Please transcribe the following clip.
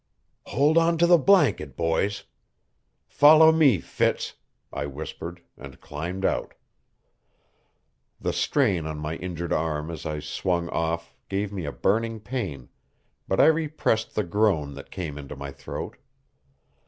"Hold on to the blanket, boys. Follow me, Fitz," I whispered, and climbed out. The strain on my injured arm as I swung off gave me a burning pain, but I repressed the groan that came into my throat.